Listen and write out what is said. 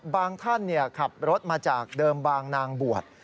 ท่านขับรถมาจากเดิมบางนางบวช